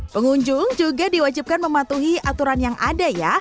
pengunjung juga diwajibkan mematuhi aturan yang ada ya